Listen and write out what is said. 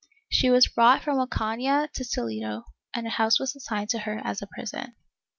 She was brought from Ocaiia to Toledo and a house was assigned to her as a prison.